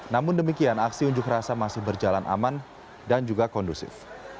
namun demikian aksi unjuk rasa masih berjalan aman dan juga kondusif